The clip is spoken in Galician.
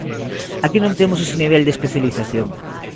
Aquí non temos ese nivel de especialización.